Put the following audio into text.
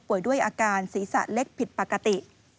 ด้วยอาการศีรษะเล็กผิดปกติ